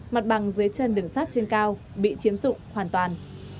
mặt bằng dưới chân đường sắt trên cao bị chiếm dụng hoàn toàn